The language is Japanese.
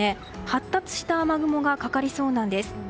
発達した雨雲がかかりそうなんです。